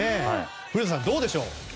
古田さん、どうでしょう。